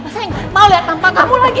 saya mau lihat tampak kamu lagi